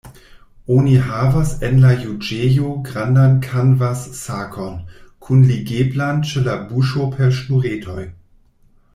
Oni havis en la juĝejo grandan kanvassakon, kunligeblan ĉe la buŝo per ŝnuretoj.